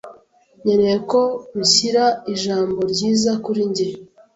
nkeneye ko unshyira ijambo ryiza kuri njye.